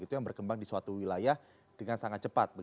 itu yang berkembang di suatu wilayah dengan sangat cepat